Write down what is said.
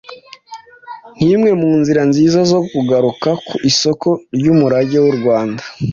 nkimwe mu nzira nziza zo kugaruka ku isoko y’umurage w’u Rwanda